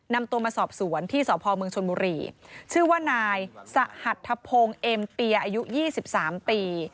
นำตัวมาสอบสวนที่สพเมืองชนบุรีชื่อว่านายสหัทธพงศ์เอ็มเปียอายุ๒๓ปี